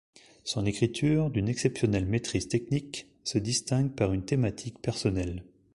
Son écriture, d’une exceptionnelle maîtrise technique, se distingue par une thématique personnelle.